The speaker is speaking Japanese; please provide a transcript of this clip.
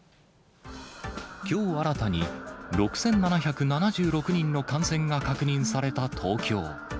きょう、新たに６７７６人の感染が確認された東京。